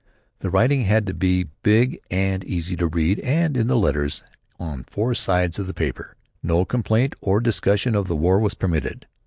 The writing had to be big and easily read and, in the letters, on four sides of the paper. No complaint or discussion of the war was permitted.